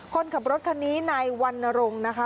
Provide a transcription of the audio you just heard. คนขับรถคันนี้นายวรรณรงค์นะคะ